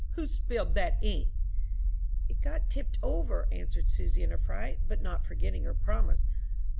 Who spilled that ink?" "It got tipped over," answered Susy, in a fright, but not forgetting her promise.